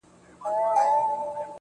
څه ژوندون دی څه غمونه څه ژړا ده,